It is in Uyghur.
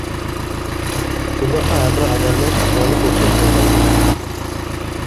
شۇنداقلا، ھەر بىر ئادەمنىڭ ئەھۋالى ئوخشاش بولمايدۇ.